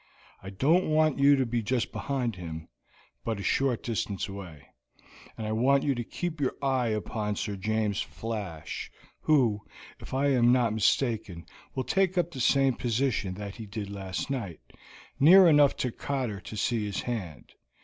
I don't want you to be just behind him, but a short distance away; and I want you to keep your eye upon Sir James Flash, who, if I am not mistaken, will take up the same position that he did last night, near enough to Cotter to see his hand.